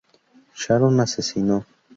Sharon asesino.